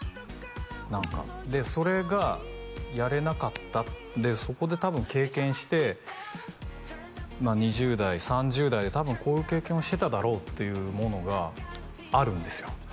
何かでそれがやれなかったそこで多分経験して２０代３０代で多分こういう経験をしてただろうっていうものがあるんですよ